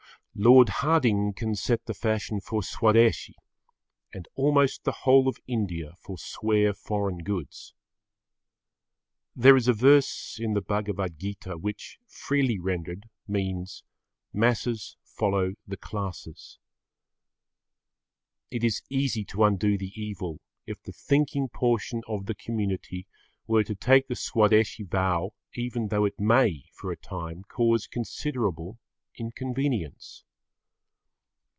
Lord Hardinge can set the fashion for Swadeshi, and almost the whole of India forswear foreign goods. There is a verse[Pg 17] in the Bhagavad Gita, which, freely rendered, means, masses follow the classes. It is easy to undo the evil if the thinking portion of the community were to take the Swadeshi vow even though it may, for a time, cause considerable inconvenience.